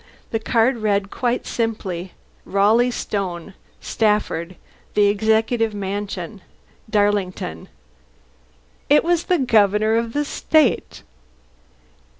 The card read quite simply: RALEIGH STONE STAFFORD The Executive Mansion, Darlington. It was the Governor of the State!